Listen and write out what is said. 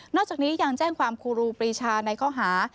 จากนี้ยังแจ้งความครูครูปรีชาในข้อหา